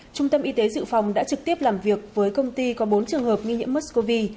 trung tâm y tế dự phòng đã trực tiếp làm việc với công ty có bốn trường hợp nghi nhiễm mscow